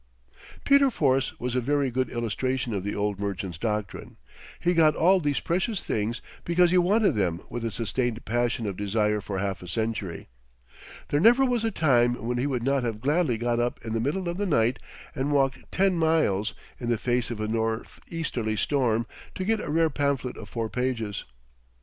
Peter Force was a very good illustration of the old merchant's doctrine. He got all these precious things because he wanted them with a sustained passion of desire for half a century. There never was a time when he would not have gladly got up in the middle of the night and walked ten miles, in the face of a northeasterly storm, to get a rare pamphlet of four pages.